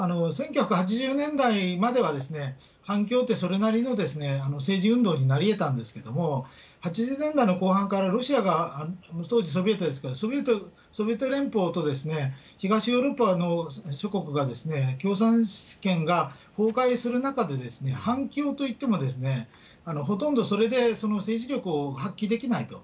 １９８０年代までは、反共って、それなりの政治運動になりえたんですけども、８０年代の後半からロシアが、当時ソビエトですけど、ソビエト連邦と東ヨーロッパの諸国が共産圏が崩壊する中で、反共といってもほとんどそれで政治力を発揮できないと。